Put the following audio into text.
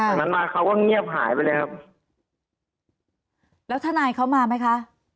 จากนั้นมาเขาก็เงียบหายไปเลยครับแล้วทนายเขามาไหมคะ